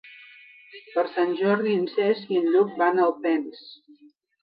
Per Sant Jordi en Cesc i en Lluc van a Alpens.